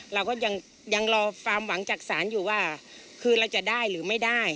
เราก็ยังรอความหวังจากศาลอยู่ว่าคือเราจะได้หรือไม่ได้